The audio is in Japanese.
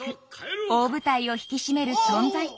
大舞台を引き締める存在感。